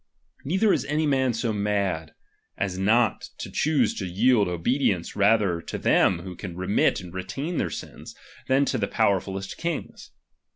Neither is any man so mad, as not to choose to yield obedience rather to them who can remit and retain their sins, than to the powerfulest kings.